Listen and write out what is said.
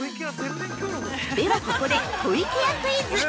◆ではここで、湖池屋クイズ！